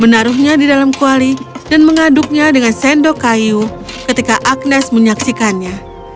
menaruhnya di dalam kuali dan mengaduknya dengan sendok kayu ketika agnes menyaksikannya